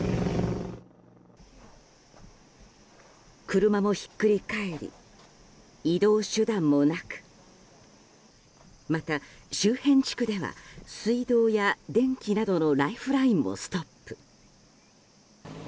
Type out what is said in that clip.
車もひっくり返り移動手段もなくまた、周辺地区では水道や電気などのライフラインもストップ。